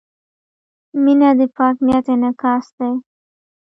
• مینه د پاک نیت انعکاس دی.